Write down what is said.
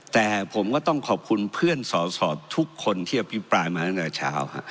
แต่ผมก็ต้องขอบคุณเพื่อนสอสอทุกคนที่อภิปรายมาตั้งแต่เช้า